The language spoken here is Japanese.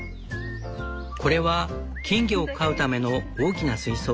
これは金魚を飼うための大きな水槽。